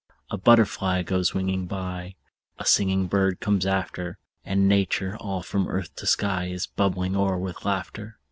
A butterfly goes winging by; A singing bird comes after; And Nature, all from earth to sky, Is bubbling o'er with laughter.